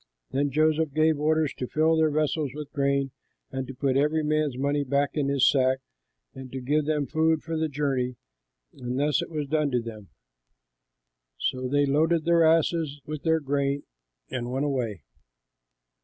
Then Joseph gave orders to fill their vessels with grain and to put every man's money back in his sack and to give them food for the journey; and thus it was done to them. So they loaded their asses with their grain and went away.